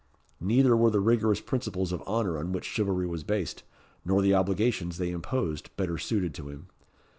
Neither were the rigorous principles of honour on which chivalry was based, nor the obligations they imposed, better suited to him.